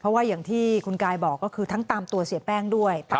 เพราะว่าอย่างที่คุณกายบอกก็คือทั้งตามตัวเสียแป้งด้วย